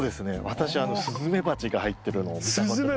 私スズメバチが入ってるのを見たことがあります。